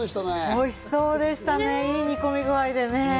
おいしそうでしたね、いい煮込み具合で。